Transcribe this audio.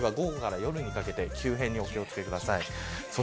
この辺りは午後から夜にかけて急変に気を付けてください。